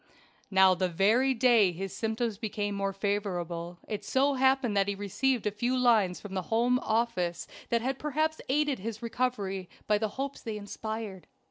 Now the very day his symptoms became more favorable it so happened that he had received a few lines from the Home Office that had perhaps aided his recovery by the hopes they inspired.